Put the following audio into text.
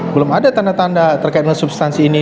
belum ada tanda tanda terkait dengan substansi ini